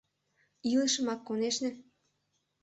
— Илышымак, конешне!